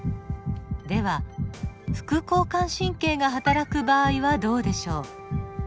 では副交感神経がはたらく場合はどうでしょう。